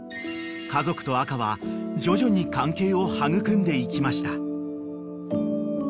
［家族と赤は徐々に関係を育んでいきました］